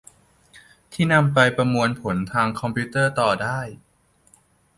ที่นำไปประมวลผลทางคอมพิวเตอร์ต่อได้